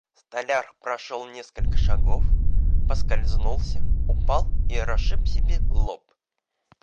Столяр прошел несколько шагов, поскользнулся, упал и расшиб себе лоб.